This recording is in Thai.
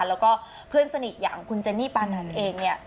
แล้วก็เพื่อนสนิทอย่างคุณเจนี่ปานันเองเนี่ย